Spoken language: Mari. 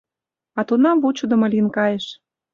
А тунам вучыдымо лийын кайыш.